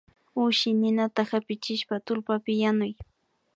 Ushi ninata hapichishpa tullpapi yanuy